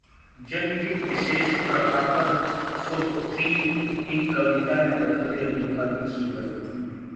जन्मदिन विशेषः प्रभाकर श्रोत्रिय, एक कविता ने बदल दिया जिनका जीवन